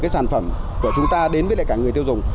cái sản phẩm của chúng ta đến với lại cả người tiêu dùng